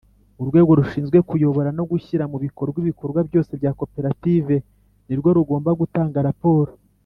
Urwego rushinzwe kuyobora no gushyira mu bikorwa ibikorwa byose bya koperative nirwo rugomba gutanga raporo.